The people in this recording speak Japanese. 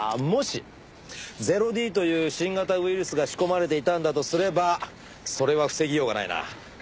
もしゼロデイという新型ウイルスが仕込まれていたんだとすればそれは防ぎようがないな。